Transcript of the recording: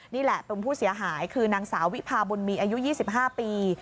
นี่แหละเป็นผู้เสียหายคือนางสาววิพาบุญมีอายุ๒๕ปี